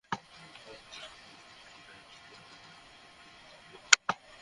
অবৈধভাবে সম্পদ অর্জনের দায়ে সম্প্রতি চার বছরের কারাদণ্ডপ্রাপ্ত জয়ললিতা জামিনের আবেদন করেছিলেন।